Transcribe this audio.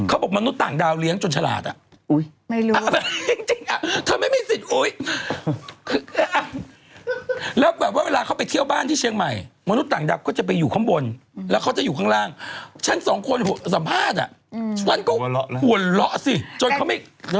เอามาณเดชยายานะคะแจกลายเซ็นด์ยิ้มหวานแน่บชิด